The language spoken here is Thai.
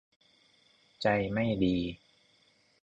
ใจไม่ดี